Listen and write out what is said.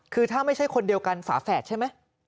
คือถ้าไม่ใช่คนเดียวกันฝาแฝดใช่ไหม